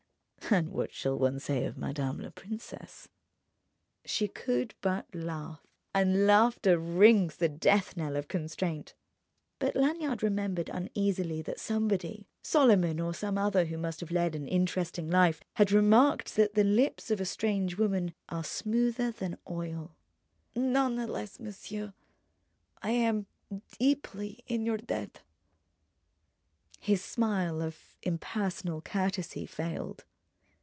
"And what shall one say of madame la princesse?" She could but laugh; and laughter rings the death knell of constraint. But Lanyard remembered uneasily that somebody—Solomon or some other who must have led an interesting life—had remarked that the lips of a strange woman are smoother than oil. "None the less, monsieur, I am deeply in your debt." His smile of impersonal courtesy failed.